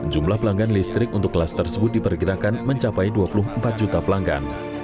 jumlah pelanggan listrik untuk kelas tersebut diperkirakan mencapai dua puluh empat juta pelanggan